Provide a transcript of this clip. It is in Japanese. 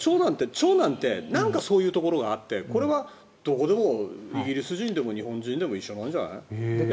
長男ってそういうところがあってこれはどこでもイギリス人でも日本人でも一緒なんじゃない。